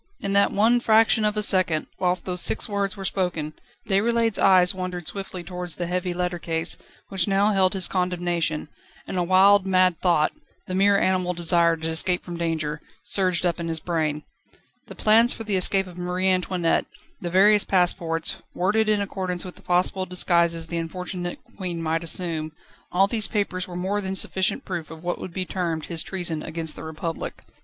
In that one fraction of a second, whilst those six words were spoken, Déroulède's eyes wandered swiftly towards the heavy letter case, which now held his condemnation, and a wild, mad thought the mere animal desire to escape from danger surged up in his brain. The plans for the escape of Marie Antoinette, the various passports, worded in accordance with the possible disguises the unfortunate Queen might assume all these papers were more than sufficient proof of what would be termed his treason against the Republic.